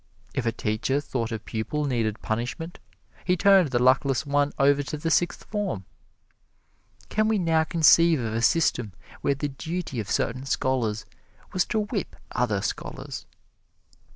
If a teacher thought a pupil needed punishment, he turned the luckless one over to the Sixth Form. Can we now conceive of a system where the duty of certain scholars was to whip other scholars?